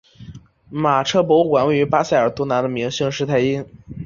马车博物馆位于巴塞尔东南的明兴施泰因。